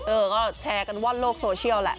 เออก็แชร์กันว่อนโลกโซเชียลแหละ